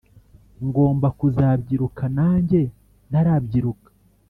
Ngomba kuzabyirura Nanjye ntarabyiruka!